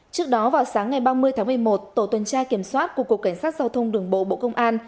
trước đó vào sáng ngày ba mươi tháng một mươi một tổ tuần tra kiểm soát của cục cảnh sát giao thông đường bộ bộ công an